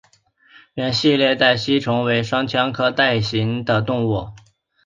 圆腺带形吸虫为双腔科带形属的动物。